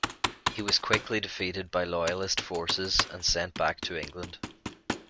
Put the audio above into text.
He was quickly defeated by loyalist forces, and sent back to England.